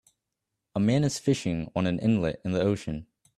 A man is fishing on an inlet in the ocean